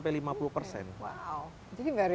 jadi variable nya bisa tinggi sekali